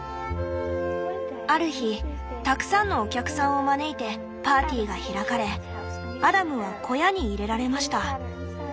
「ある日たくさんのお客さんを招いてパーティーが開かれアダムは小屋に入れられました。